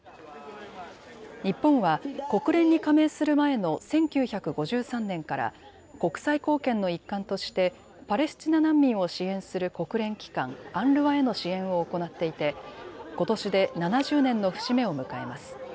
日本は国連に加盟する前の１９５３年から国際貢献の一環としてパレスチナ難民を支援する国連機関、ＵＮＲＷＡへの支援を行っていてことしで７０年の節目を迎えます。